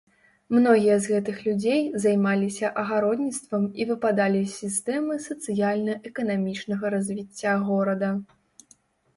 Многія з гэтых людзей займаліся агародніцтвам і выпадалі з сістэмы сацыяльна-эканамічнага развіцця горада.